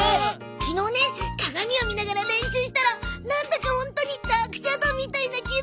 昨日ね鏡を見ながら練習したらなんだかホントにダークシャドーみたいな気分になって。